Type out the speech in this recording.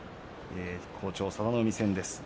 好調、佐田の海戦です。